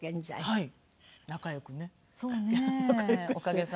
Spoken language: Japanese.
はい。